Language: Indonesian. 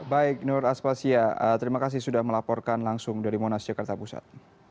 baik nur aspasya terima kasih sudah melaporkan langsung dari monas jakarta pusat